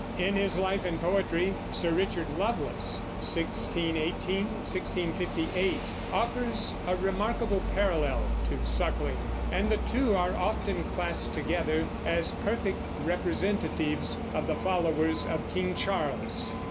In his life and poetry Sir Richard Lovelace (1618 1658) offers a remarkable parallel to Suckling, and the two are often classed together as perfect representatives of the followers of King Charles.